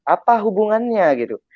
apa hubungannya gitu